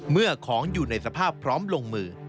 เมื่อของอยู่ในสภาพพร้อมลงมือ